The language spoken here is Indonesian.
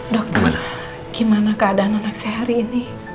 dokter gimana keadaan anak sehari ini